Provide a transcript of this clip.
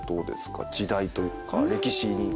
時代というか歴史に。